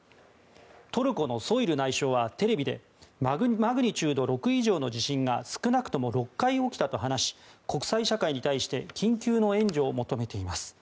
トルコのソイル内相はテレビでマグニチュード６以上の地震が少なくとも６回起きたと話し国際社会に対して緊急の援助を求めています。